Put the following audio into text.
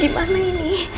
kamu udah seneng bangga